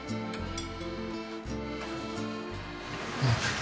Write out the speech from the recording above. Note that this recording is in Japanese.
うん。